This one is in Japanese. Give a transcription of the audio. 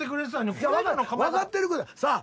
分かってるさあ